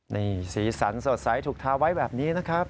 นี่สีสันสดใสถูกทาไว้แบบนี้นะครับ